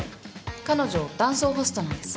彼女男装ホストなんです。